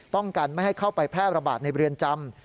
กันไม่ให้เข้าไปแพร่ระบาดในเรือนจำ